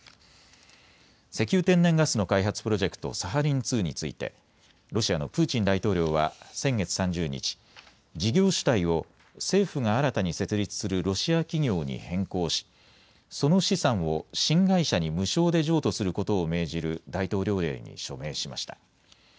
石油・天然ガスの開発プロジェクト、サハリン２についてロシアのプーチン大統領は先月３０日、事業主体を政府が新たに設立するロシア企業に変更しその資産を新会社に無償で譲渡することを命じる大統領令に署名しました。